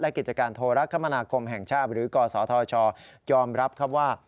กิจการโทรคมนาคมแห่งชาติหรือกศธชยอมรับครับว่า